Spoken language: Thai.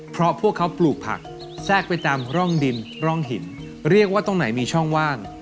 เพราะพวกเขาปลูกผักแทรกไปตามร่องดินร่องหินเรียกว่าตรงไหนมีช่องว่าง